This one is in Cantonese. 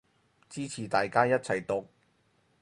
支持大家一齊毒